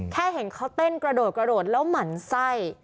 แค่เห็นเขาเต้นกระโดดกระโดดแล้วหมั่นไส้